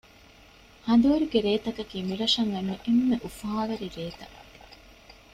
ހަނދުވަރުގެ ރޭތަކަކީ މިރަށަށް އަންނަ އެންމެ އުފާވެރި ރޭތައް